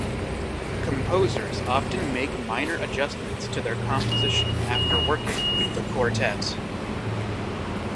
Composers often make minor adjustments to their compositions after working with the quartet.